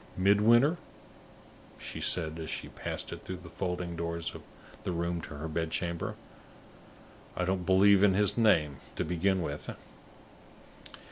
"Midwinter?" she said, as she passed through the folding doors of the room to her bed chamber. "I don't believe in his name, to begin with!"